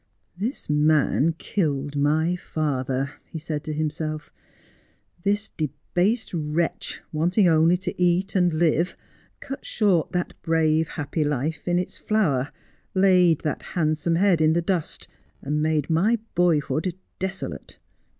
' This man killed my father,' he said to himself. ' This debased wretch, wanting only to eat and live, cut short that brave happy life in its flower, laid that handsome head in the dust, and made my boyhood desolate.